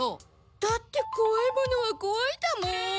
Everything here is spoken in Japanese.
だってこわいものはこわいんだもん。